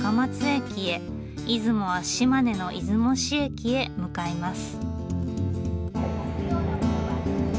出雲は島根の出雲市駅へ向かいます。